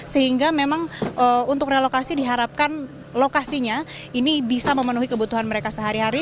sehingga memang untuk relokasi diharapkan lokasinya ini bisa memenuhi kebutuhan mereka sehari hari